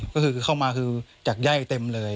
ก็คือเข้ามาคือจากไย่เต็มเลย